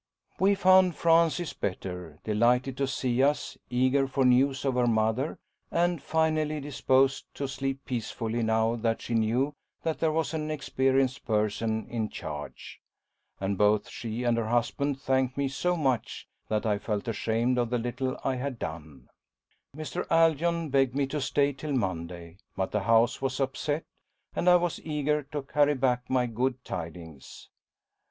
We found Frances better, delighted to see us, eager for news of her mother, and, finally, disposed to sleep peacefully now that she knew that there was an experienced person in charge. And both she and her husband thanked me so much that I felt ashamed of the little I had done. Mr. Aldoyn begged me to stay till Monday; but the house was upset, and I was eager to carry back my good tidings.